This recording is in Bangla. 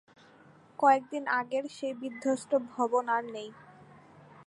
কয়েক দিন আগের সেই বিধ্বস্ত ভবন আর নেই।